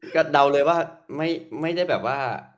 ก็เดาเลยว่าไม่ได้แบบว่า